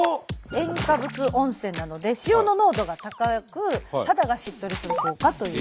塩化物温泉なので塩の濃度が高く肌がしっとりする効果というところで。